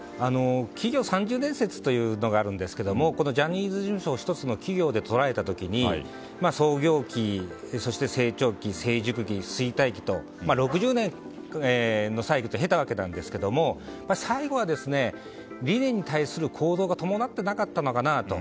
企業３０年説というのがあるんですけどもジャニーズ事務所を１つの企業と捉えた時に創業期、成長期、成熟期衰退期と６０年の歳月を経たわけですけど最後は理念に対する行動が伴っていなかったのかなと。